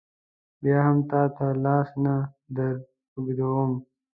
بیا هم تا ته لاس نه در اوږدوم.